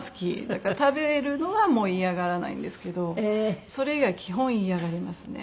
だから食べるのはもう嫌がらないんですけどそれ以外基本嫌がりますね。